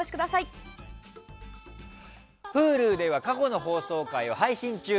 Ｈｕｌｕでは過去の放送回を配信中。